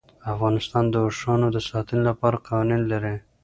افغانستان د اوښانو د ساتنې لپاره قوانین لري.